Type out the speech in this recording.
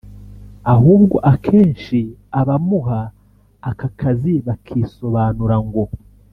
ahubwo akenshi abamuha aka kazi bakisobanura ngo